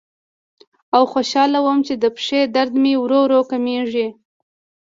او خوشاله وم چې د پښې درد مې ورو ورو کمیږي.